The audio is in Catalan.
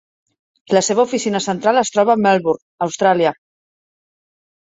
La seva oficina central es troba a Melbourne, Austràlia.